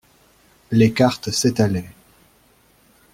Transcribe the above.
Les cartes s'étalaient.